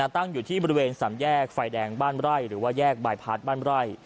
ตั้งอยู่ที่บริเวณสามแยกไฟแดงบ้านไร่หรือว่าแยกบายพาร์ทบ้านไร่